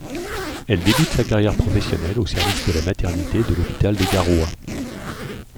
Elle débute sa carrière professionnelle au service de la maternité de l'hôpital de Garoua.